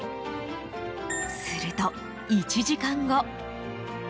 すると、１時間後。